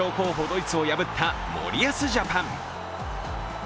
ドイツを破った森保ジャパン。